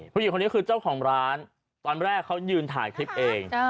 ผู้หญิงคนนี้คือเจ้าของร้านตอนแรกเขายืนถ่ายคลิปเอง